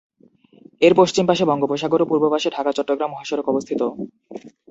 এর পশ্চিম পাশে বঙ্গোপসাগর ও পূর্ব পাশে ঢাকা-চট্টগ্রাম মহাসড়ক অবস্থিত।